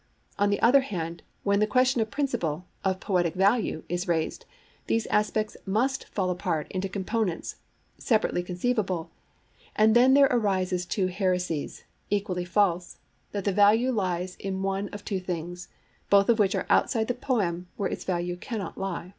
On the other hand, when the question of principle, of poetic value, is raised, these aspects must fall apart into components, separately conceivable; and then there arise two heresies, equally false, that the value lies in one of two things, both of which are outside the poem where its value cannot lie.